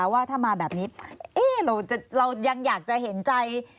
ว่าถ้ามาแบบนี้เรายังอยากจะเห็นใจ